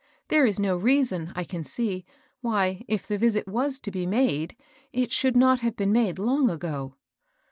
" There is no reason, I can see, why, if the visit was to be made, it should not have been made long ago."